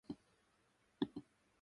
最近、忙しい日々を過ごしています。